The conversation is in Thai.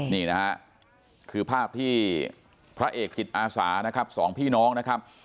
นี่นะฮะคือภาพที่พระเอกจิตอาสานะครับสองพี่น้องนะครับ